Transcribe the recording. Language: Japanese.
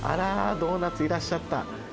ドーナツいらっしゃった。